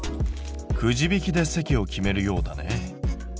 くじ引きで席を決めるようだね。